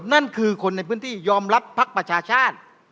นั่นคือคนในพื้นที่ยอมรับภักดิ์ประชาชาติ